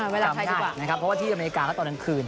เวลาไทยดีกว่านะครับเพราะว่าที่อเมริกาก็ตอนนั้นคืน